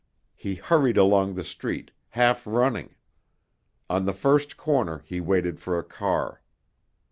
He hurried along the street, half running. On the first corner he waited for a car.